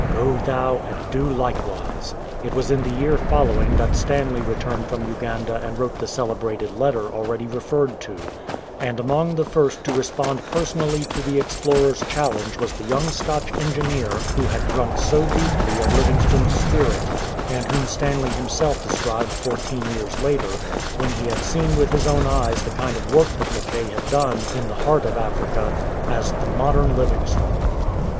' Go thou and do likewise."' *" It was in the year following that Stanley returned from Uganda and wrote the cele brated letter already referred to ; and among the first to respond personally to the explorer's challenge was the young Scotch engineer who had drunk so deeply of Livingstone's spirit, and whom Stanley himself described fourteen years later, when he had seen with his own eyes the kind of work that Mackay had done in the heart of Africa, as " the modern Livingstone.""